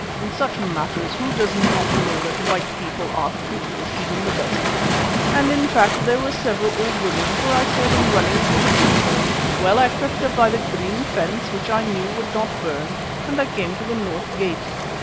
In such matters who does not know that white people are fools, even the best of them, and in fact there were several old women, for I saw them running for the gateway. Well, I crept up by the green fence which I knew would not burn and I came to the north gate.